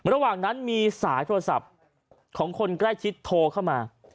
ระหว่างนั้นมีสายโทรศัพท์ของคนใกล้ชิดโทรเข้ามา